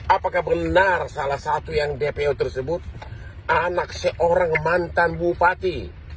apakah benar salah satu yang dpo tersebut anak seorang mantan bupati